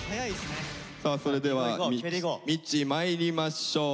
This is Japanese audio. さあそれではみっちーまいりましょう。